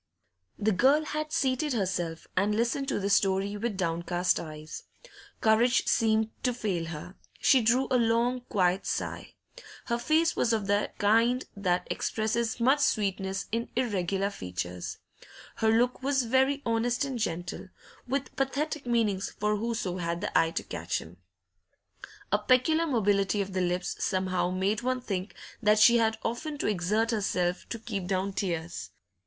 The girl had seated herself, and listened to this story with downcast eyes. Courage seemed to fail her; she drew a long, quiet sigh. Her face was of the kind that expresses much sweetness in irregular features. Her look was very honest and gentle, with pathetic meanings for whoso had the eye to catch them; a peculiar mobility of the lips somehow made one think that she had often to exert herself to keep down tears.